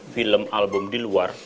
film album di luar